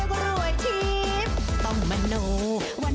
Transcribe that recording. โปรดติดตามต่อไป